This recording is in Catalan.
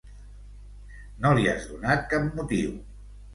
No li has donat cap motiu.